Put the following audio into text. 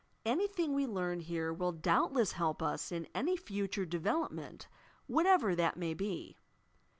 Anything we learn here will doubtless help us in any future development what ever that may be.